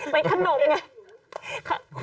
เป็นขนมไง